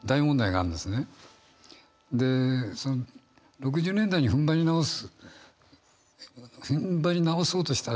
で６０年代に踏ん張り直す